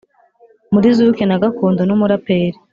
muri zuke na gakondo n’umuraperi